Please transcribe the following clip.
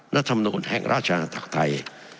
นัฐมนูลแห่งราชาทักทัย